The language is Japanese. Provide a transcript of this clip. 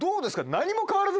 何も変わらず。